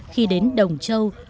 khi đến đồng châu